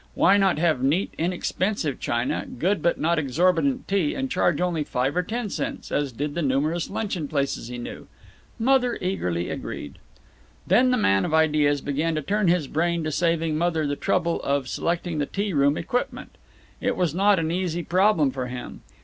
Why not have neat, inexpensive china, good but not exorbitant tea, and charge only five or ten cents, as did the numerous luncheon places he knew? Mother eagerly agreed. Then the man of ideas began to turn his brain to saving Mother the trouble of selecting the tea room equipment. It was not an easy problem for him.